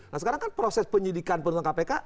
nah sekarang kan proses penyidikan penuntung kpk